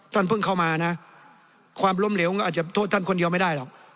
ท่านเพิ่งเข้ามานะความล้มเหลวก็อาจจะโทษท่านคนเดียวไม่ได้หรอก